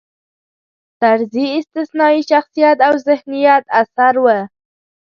طرزی استثنايي شخصیت او ذهینت اثر و.